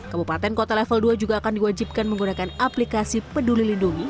kabupaten kota level dua juga akan diwajibkan menggunakan aplikasi peduli lindungi